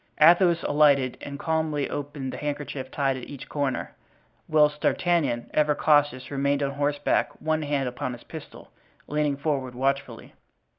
Athos alighted and calmly opened the handkerchief tied at each corner, whilst D'Artagnan, ever cautious, remained on horseback, one hand upon his pistol, leaning forward watchfully.